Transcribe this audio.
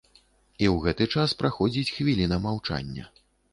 І ў гэты час праходзіць хвіліна маўчання.